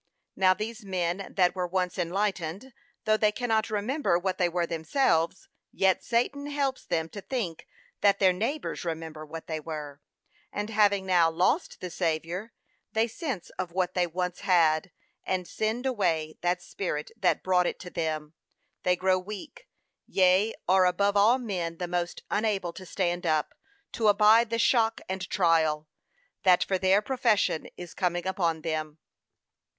Now these men that were once enlightened, though they cannot remember what they were themselves, yet Satan helps them to think that their neighbours remember what they were: and having now lost the savour, the sense of what they once had, and sinned away that Spirit that brought it to them, they grow weak; yea are above all men the most unable to stand up, to abide the shock and trial, that for their profession is coming upon them.